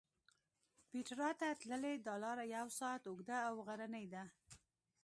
پېټرا ته تللې دا لاره یو ساعت اوږده او غرنۍ ده.